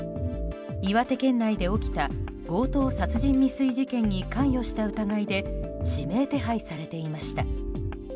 岩手県内で起きた強盗殺人未遂事件に関与した疑いで指名手配されていました。